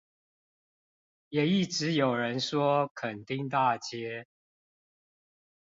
也一直有人說墾丁大街